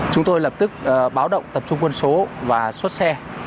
chúng tôi lập tức báo động tập trung quân số và xuất xe